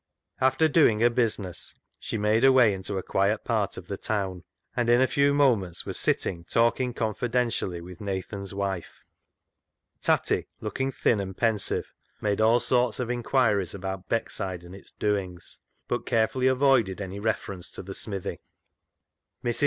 After doing her business, she made her way into a quiet part of the town, and in a few moments was sitting talking confidentially with Nathan's wife. Tatty, looking thin and pensive, made all sorts of inquiries about Beckside and its doings, but carefully avoided any reference to the smithy. Mrs.